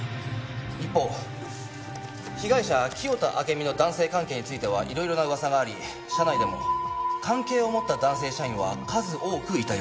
一方被害者清田暁美の男性関係についてはいろいろな噂があり社内でも関係を持った男性社員は数多くいたようです。